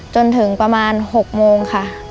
จนถึงประมาณ๖โมงค่ะ